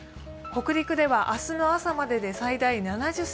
北陸では明日の朝までで最大７０ｃｍ